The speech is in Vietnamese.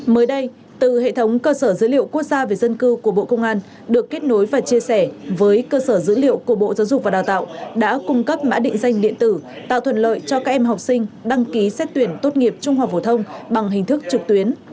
mới đây từ hệ thống cơ sở dữ liệu quốc gia về dân cư của bộ công an được kết nối và chia sẻ với cơ sở dữ liệu của bộ giáo dục và đào tạo đã cung cấp mã định danh điện tử tạo thuận lợi cho các em học sinh đăng ký xét tuyển tốt nghiệp trung học phổ thông bằng hình thức trực tuyến